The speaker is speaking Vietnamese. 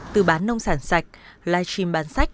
từ bán nông sản sạch live stream bán sách